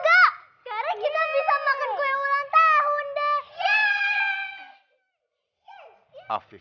sekarang kita bisa makan kue ulang tahun deh